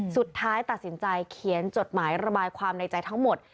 สุดท้ายตัดสินใจเขียนจดหมายระบายความในใจทั้งหมด